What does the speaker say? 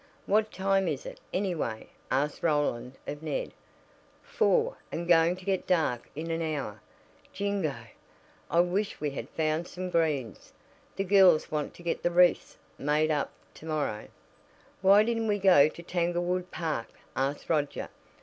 "What time is it, anyway?" asked Roland of Ned. "Four, and going to get dark in an hour. Jingo! I wish we had found some greens. The girls want to get the wreaths made up to morrow." "Why didn't we go to Tanglewood Park?" asked Roger.